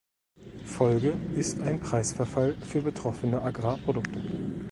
Folge ist ein Preisverfall für betroffene Agrarprodukte.